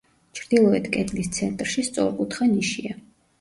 ჩრდილოეთ კედლის ცენტრში სწორკუთხა ნიშია.